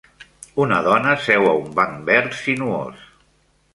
Una dona seu a un banc verd sinuós.